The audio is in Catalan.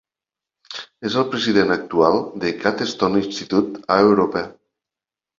És el president actual del Gatestone Institute a Europa.